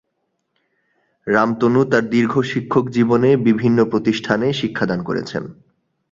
রামতনু তার দীর্ঘ শিক্ষক জীবনে বিভিন্ন প্রতিষ্ঠানে শিক্ষাদান করেছেন।